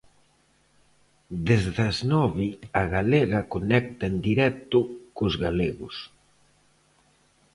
Desde as nove a Galega conecta en directo cos galegos.